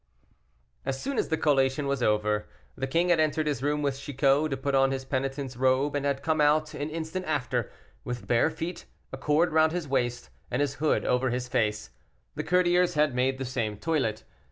As soon as the collation was over, the king had entered his room with Chicot, to put on his penitent's robe and had come out an instant after, with bare feet, a cord round his waist, and his hood over his face; the courtiers had made the same toilet.